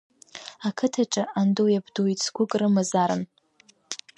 Ақыҭаҿы андуи абдуи цгәык рымазаарын.